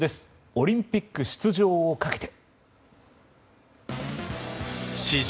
オリンピック出場をかけて。